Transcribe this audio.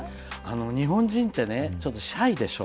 日本人ってちょっとシャイでしょ。